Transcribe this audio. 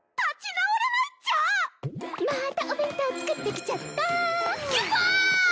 またお弁当作ってきちゃった。